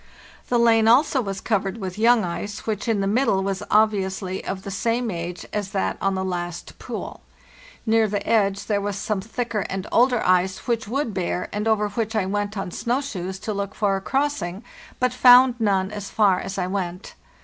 The lane also was covered with young ice, which in the mid dle was obviously of the same age as that on the last AWARD STRUGGLE 215 pool. Near the edge there was some thicker and older ice, which would bear, and over which I went on snow shoes to look for a crossing, but found none as far as I went.